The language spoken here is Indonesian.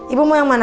ibu mau yang mana